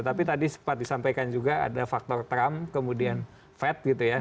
tapi tadi sempat disampaikan juga ada faktor trump kemudian fed gitu ya